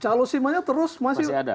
calon simanya terus masih ada